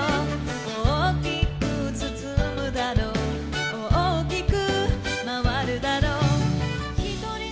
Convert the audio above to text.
「大きくつつむだろう大きくまわるだろう」